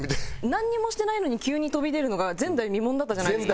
なんにもしてないのに急に飛び出るのが前代未聞だったじゃないですか。